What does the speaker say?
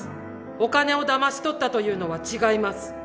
お金をだまし取ったというのは違います。